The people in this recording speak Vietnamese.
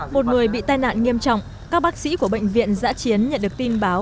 một người bị tai nạn nghiêm trọng các bác sĩ của bệnh viện giã chiến nhận được tin báo